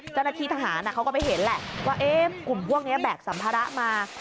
เจ้าหน้าที่ทหารเขาก็ไปเห็นแหละว่ากลุ่มพวกนี้แบกสัมภาระมา